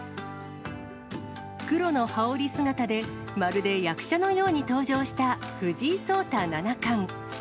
黒の羽織姿でまるで役者のように登場した藤井聡太七冠。